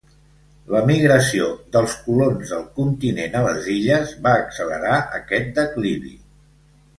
La migració dels colons del continent a les illes va accelerar aquest declivi.